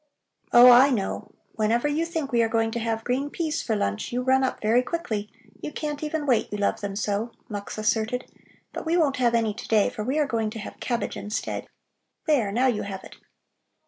"Oh, I know. Whenever you think we are going to have green peas for lunch, you run up very quickly. You can't even wait, you love them so," Mux asserted. "But we won't have any to day, for we are going to have cabbage instead. There, now you have it!"